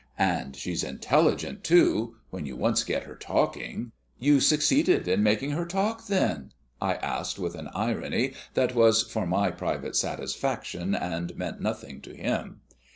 And she's intelligent, too, when you once get her talking." "You succeeded in making her talk, then?" I asked with an irony that was for my private satisfaction, and meant nothing to him.